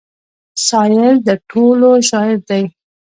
سايل د ټولو شاعر دی.